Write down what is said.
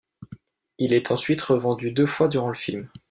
Il est ensuite revendu deux fois durant le film.